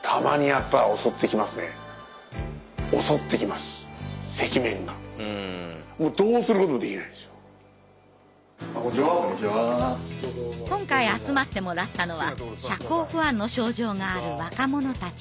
今回集まってもらったのは社交不安の症状がある若者たち４人。